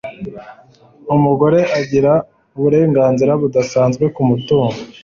umugore agira uburenganzira budasanzwe k'umutungo